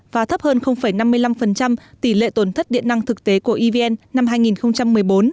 và thấp hơn năm mươi năm tỷ lệ tổn thất điện năng thực tế của evn năm hai nghìn một mươi bốn